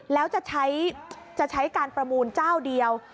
แล้วจะใช้การประมูลเจ้าเดียว